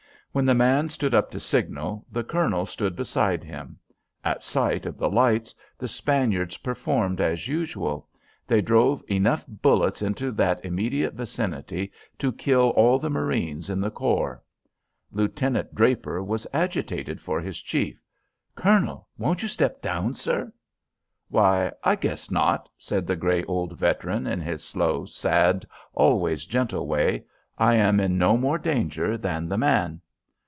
When the man stood up to signal, the colonel stood beside him. At sight of the lights, the Spaniards performed as usual. They drove enough bullets into that immediate vicinity to kill all the marines in the corps. Lieutenant Draper was agitated for his chief. "Colonel, won't you step down, sir?" "Why, I guess not," said the grey old veteran in his slow, sad, always gentle way. "I am in no more danger than the man."